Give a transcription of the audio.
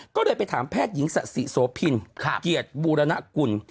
ก็เลยไปถามแพทย์หญิงสะสิโสพินเกียรติบูรณกุล